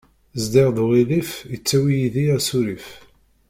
Zdiɣ d uɣilif, yettawi yid-i asurif.